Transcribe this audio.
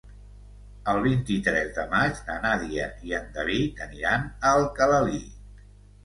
El vint-i-tres de maig na Nàdia i en David aniran a Alcalalí.